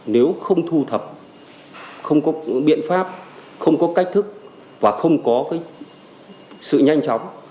nếu không thu thập không có biện pháp không có cách thức và không có sự nhanh chóng